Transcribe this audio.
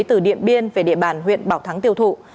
từ điện biên về địa bàn huyện bảo thắng tiêu thụ